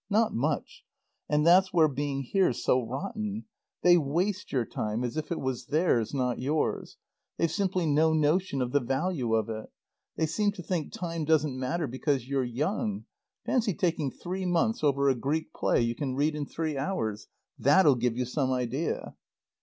Not much. And that's where being here's so rotten. They waste your time as if it was theirs, not yours. They've simply no notion of the value of it. They seem to think time doesn't matter because you're young. Fancy taking three months over a Greek play you can read in three hours. That'll give you some idea.